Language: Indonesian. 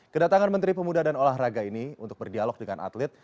kedatangan menteri pemuda dan olahraga ini untuk berdialog dengan atlet